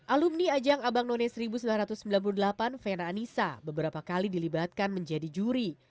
alumni ajang abang none seribu sembilan ratus sembilan puluh delapan fena anissa beberapa kali dilibatkan menjadi juri